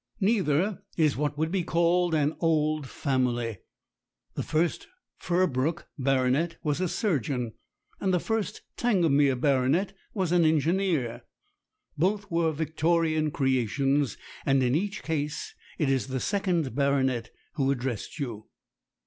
Neither is what would be called an old family. The first Firbrook baronet was a surgeon, and the first Tangamere baronet was an engineer. Both were Victorian creations, and in each case it is the second baronet who addressed you."